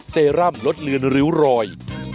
เซรั่มลดเลือนริ้วรอย